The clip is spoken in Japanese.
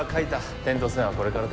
「点と線」はこれからだ。